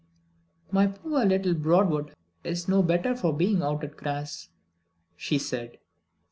"My poor little Broadwood is no better for being out at grass," she said.